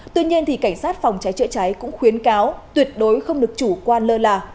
tuy nhiên cảnh sát phòng cháy chữa cháy cũng khuyến cáo tuyệt đối không được chủ quan lơ là